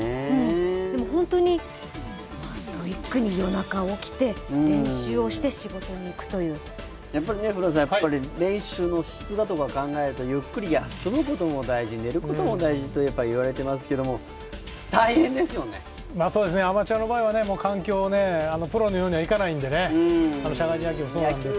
でも、ストイックに夜中起きて、練習して練習の質だとかを考えるとゆっくり休むことも大事寝ることも大事と言われていますけどアマチュアの場合は環境、プロのようにはいかないので、社会人野球もそうなんですけどね。